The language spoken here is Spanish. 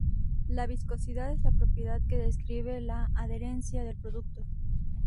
La viscosidad es la propiedad que describe la adherencia del producto.